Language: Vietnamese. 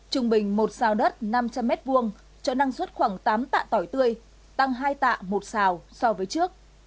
trung bình một xào đất năm trăm linh m hai cho năng suất khoảng tám tại tươi tăng hai tạ một xào so với trước